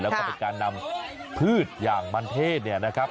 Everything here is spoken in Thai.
แล้วก็เป็นการนำพืชอย่างมันเทศเนี่ยนะครับ